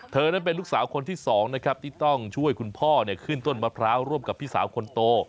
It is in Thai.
นั่นเป็นลูกสาวคนที่สองนะครับที่ต้องช่วยคุณพ่อขึ้นต้นมะพร้าวร่วมกับพี่สาวคนโต